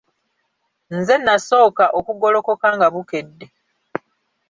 Nze nasooka okugolokoka nga bukedde.